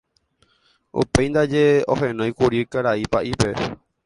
Upéi ndaje ohenóikuri karai pa'ípe.